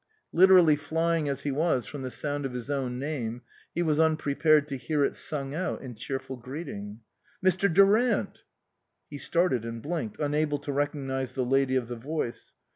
Literally flying as he was from the sound of his own name, he was unprepared to hear it sung out in cheerful greeting. " Mr. Durant !" He started and blinked, unable to recognise the lady of the voice.